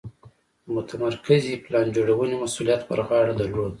د متمرکزې پلان جوړونې مسوولیت پر غاړه درلود.